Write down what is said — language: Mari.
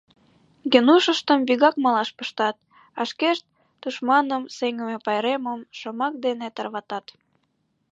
Генушыштым вигак малаш пыштат, а шкешт тушманым сеҥыме пайремым шомак дене тарватат.